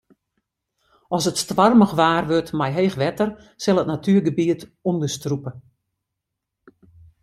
As it stoarmich waar wurdt mei heech wetter sil it natuergebiet ûnderstrûpe.